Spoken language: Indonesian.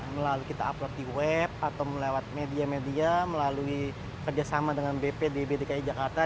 melalui kita upload di web atau melewat media media melalui kerjasama dengan bpdb dki jakarta